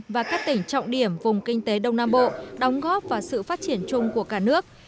và các tỉnh trọng điểm vùng kinh tế đông nam bộ đóng góp và sự phát triển chung của cả nước